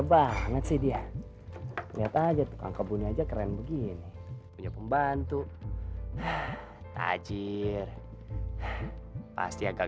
banget sih dia lihat aja tuh angka bunyi aja keren begini punya pembantu hajir pasti agak